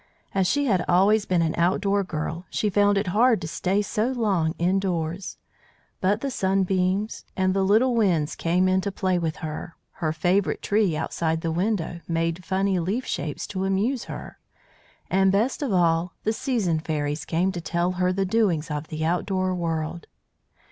As she had always been an outdoor girl she found it hard to stay so long indoors. But the sunbeams and the little winds came in to play with her, her favourite tree outside the window made funny leaf shapes to amuse her, and, best of all, the Season Fairies came to tell her the doings of the outdoor world.